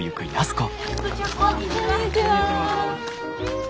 こんにちは。